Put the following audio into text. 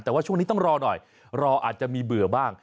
แต่ว่าช่วงนี้ต้องรอหน่อยรออาจจะมีเบื่อบ้าง